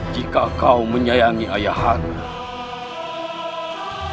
jika kau menyayangi ayah hati